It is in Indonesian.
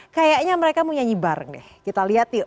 kayaknya mereka mau nyanyi bareng deh kita lihat yuk